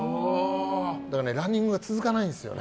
ランニング続かないんですよね。